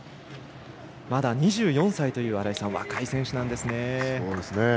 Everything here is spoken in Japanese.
まだ２４歳という若い選手なんですね。